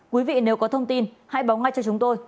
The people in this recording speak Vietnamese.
quý vị nếu có thông tin hãy báo ngay cho chúng tôi